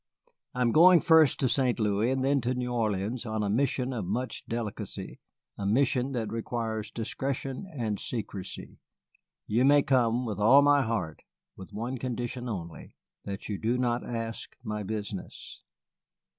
I am going first to St. Louis and then to New Orleans on a mission of much delicacy, a mission that requires discretion and secrecy. You may come, with all my heart, with one condition only that you do not ask my business."